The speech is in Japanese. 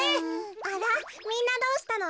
あらみんなどうしたの？